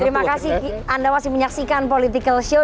terima kasih anda masih menyaksikan political show